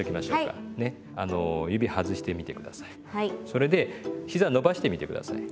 それでひざ伸ばしてみて下さい。